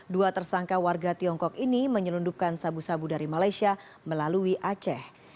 dua tersangka warga tiongkok ini menyelundupkan sabu sabu dari malaysia melalui aceh